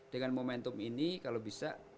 dengan momentum ini kalau bisa